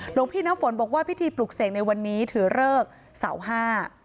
หลวงพิสนฟนบอกว่าพิธีปลูกเสกในวันนี้ถือเลิกเสาร์๕